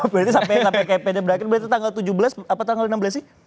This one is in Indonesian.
berarti sampai kpd berakhir berarti tanggal tujuh belas atau tanggal enam belas sih